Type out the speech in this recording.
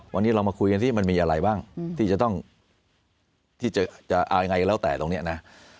วันนี้เรามาคุยกันที่มันมีอะไรบ้างที่จะเอายังไงแล้วแต่ตรงนี้นะ